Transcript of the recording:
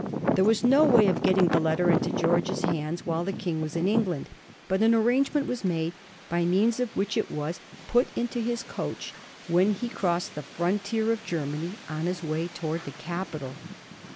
There was no way of getting this letter into George's haads while the King was in England ; but an arrangement was made by means of which it was put into his coach when he crossed the frontier of Grermany on his way towards his capital.